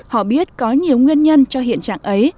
họ biết có nhiều nguyên nhân cho hiện trạng ấy